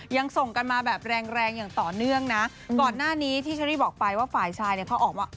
ยังส่งกันมาแบบแรงแรงอย่างต่อเนื่องนะก่อนหน้านี้ที่เชอรี่บอกไปว่าฝ่ายชายเนี่ยเขาออกมา